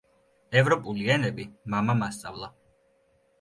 ევროპული ენები მამამ ასწავლა.